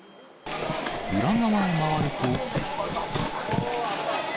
裏側へ回ると。